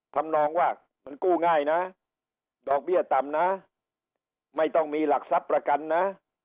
ทำนองว่ามันกู้ง่ายนะดอกเบี้ยต่ำนะไม่ต้องมีหลักทรัพย์ประกันนะ